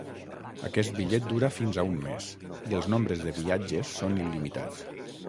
Aquest bitllet dura fins a un mes, i els nombres de viatges són il·limitats.